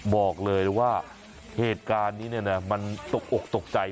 บอกเลยว่าเหตุการณ์นี้เนี่ยนะมันตกอกตกใจ